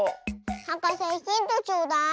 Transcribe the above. はかせヒントちょうだい。